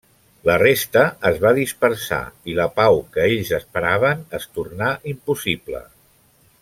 La resta es va dispersar i la pau que ells esperaven es tornà impossible.